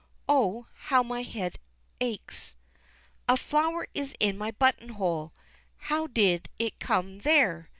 Oh, how my head aches! A flower is in my button hole. How did it come there?